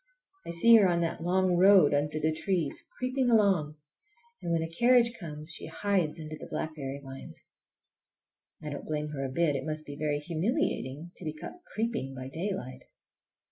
I see her on that long road under the trees, creeping along, and when a carriage comes she hides under the blackberry vines. I don't blame her a bit. It must be very humiliating to be caught creeping by daylight!